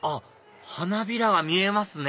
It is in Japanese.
花びらが見えますね